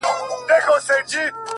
زموږ وطن كي اور بل دی!!